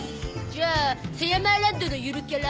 じゃあサヤマーランドのゆるキャラ？